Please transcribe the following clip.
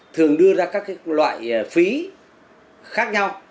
thường đưa ra các loại phí khác nhau